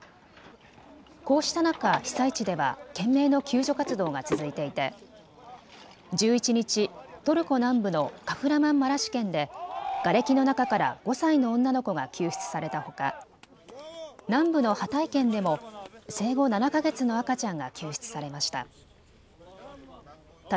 こうした中、被災地では懸命の救助活動が続いていて１１日、トルコ南部のカフラマンマラシュ県でがれきの中から５歳の女の子が救出されたほか南部のハタイ県でも生後７か月の赤ちゃんが救出されました。